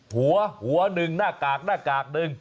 หัวหัวหนึ่งหน้ากากหน้ากากหนึ่ง